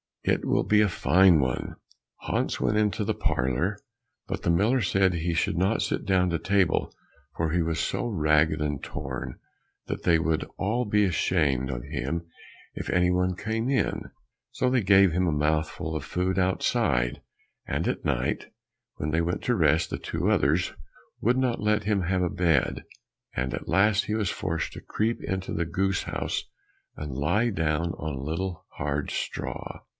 "It will be a fine one!" Hans went into the parlour, but the miller said he should not sit down to table, for he was so ragged and torn, that they would all be ashamed of him if any one came in. So they gave him a mouthful of food outside, and at night, when they went to rest, the two others would not let him have a bed, and at last he was forced to creep into the goose house, and lie down on a little hard straw.